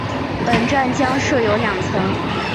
本站将设有两层。